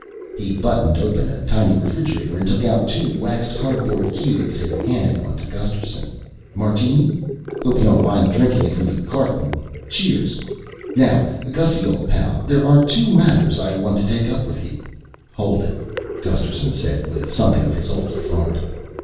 He buttoned open a tiny refrigerator and took out two waxed cardboard cubes and handed one to Gusterson. "Martini? Hope you don't mind drinking from the carton. Cheers. Now, Gussy old pal, there are two matters I want to take up with you " "Hold it," Gusterson said with something of his old authority.